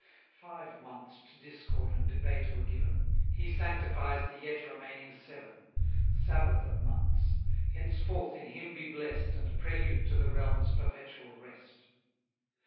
Five months to discord and debate were given: He sanctifies the yet remaining seven. Sabbath of months! henceforth in him be blest, And prelude to the realm's perpetual rest!